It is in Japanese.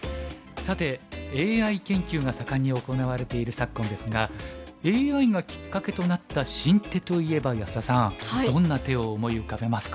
さてＡＩ研究が盛んに行われている昨今ですがＡＩがきっかけとなった新手といえば安田さんどんな手を思い浮かべますか？